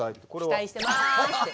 期待してますって。